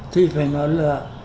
thì phải nói là